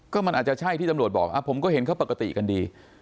ก็มันอาจจะใช่ที่ตำรวจบอกผมก็เห็นเขาปกติกันดี